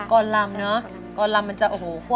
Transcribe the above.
กรอนลำเนอะกรอนลำมันจะเอ้อเหอะควบเขียว